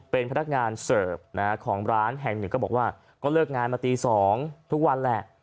เป็นพนักงานเสิร์ฟของร้านแห่งหนึ่งก็บอกว่าก็เลิกงานมาตี๒ทุกวันแหละ